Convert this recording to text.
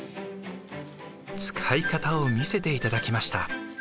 使い方を見せていただきました。